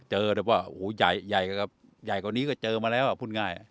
เจอแบบว่าโอ้ใหญ่ใหญ่ครับใหญ่กว่านี้ก็เจอมาแล้วอะพูดง่าย